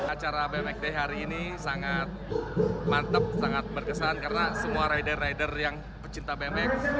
acara bmx day hari ini sangat mantep sangat berkesan karena semua rider rider yang pecinta bmx